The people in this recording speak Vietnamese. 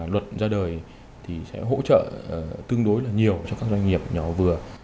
luật ra đời sẽ hỗ trợ tương đối nhiều cho các doanh nghiệp nhỏ vừa